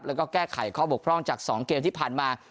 แล้วก็แก้ไขข้อบกพร่องจาก๒เกมที่ผ่านมา